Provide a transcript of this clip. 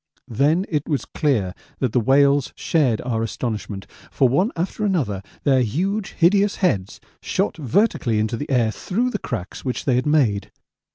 Then it was clear that the whales shared our astonishment, for one after another their huge hideous heads shot vertically into the air through the cracks which they had made.